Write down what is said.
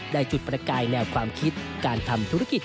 จุดประกายแนวความคิดการทำธุรกิจ